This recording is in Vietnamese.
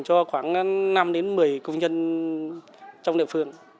cho khoảng năm đến một mươi công nhân trong địa phương